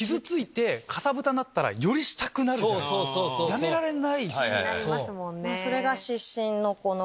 やめられないっすもんね。